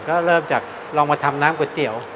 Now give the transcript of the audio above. ก็เริ่มจากลองมาทำน้ำก๋วยเตี๋ยว